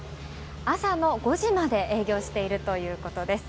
朝の５時まで営業しているということです。